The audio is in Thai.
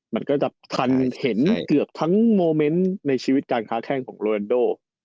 มันก็จะทันเห็นเกือบทั้งโมเมนต์ในชีวิตการค้าแข้งของโรแอนโด